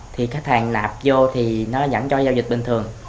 thì khách hàng nạp vô thì nó dẫn cho giao dịch bình thường